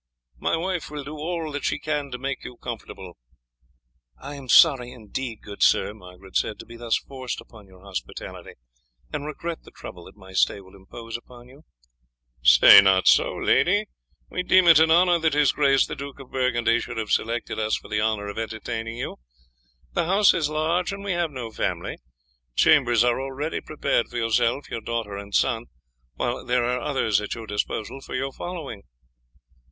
My wife will do all that she can to make you comfortable." "I am sorry indeed, good sir," Margaret said, "to be thus forced upon your hospitality, and regret the trouble that my stay will impose upon you." "Say not so, lady," he said, "we deem it an honour that his grace the Duke of Burgundy should have selected us for the honour of entertaining you. The house is large, and we have no family. Chambers are already prepared for yourself, your daughter, and son, while there are others at your disposal for your following."